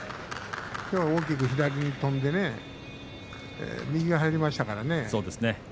きょうは大きく左に跳んでね右が入りましたからね